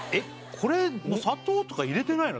これ砂糖とか入れてないの？